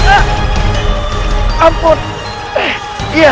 hai ampun eh iya